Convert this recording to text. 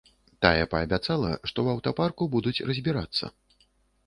Тая паабяцала, што ў аўтапарку будуць разбірацца.